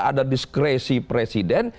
ada diskresi presiden